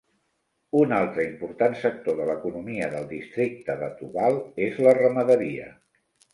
Una altre important sector de l'economia del districte de Thoubal és la ramaderia.